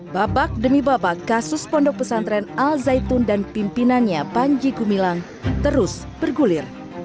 babak demi babak kasus pondok pesantren al zaitun dan pimpinannya panji gumilang terus bergulir